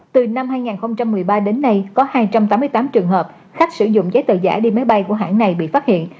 từ năm hai nghìn một mươi ba đến nay có hai trăm tám mươi tám trường hợp khách sử dụng giấy tờ giả đi máy bay của hãng này bị phát hiện